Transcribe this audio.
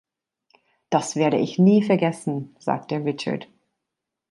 "Das werde ich nie vergessen", sagte Richard.